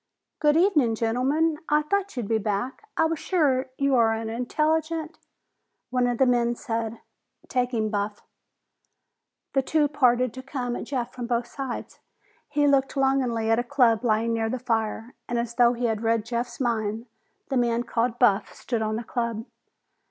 "Good evening, gentlemen! I thought you'd be back! I was sure you are an intelligent " One of the men said, "Take him, Buff." The two parted to come at Jeff from both sides. He looked longingly at a club lying near the fire, and as though he had read Jeff's mind, the man called Buff stood on the club.